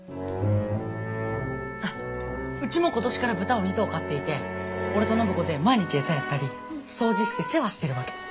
あっうちも今年から豚を２頭飼っていて俺と暢子で毎日餌やったり掃除して世話してるわけ。